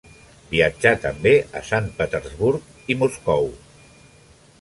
Viatjà també a Sant Petersburg i Moscou.